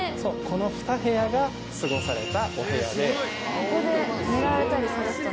このふた部屋が過ごされたお部屋で。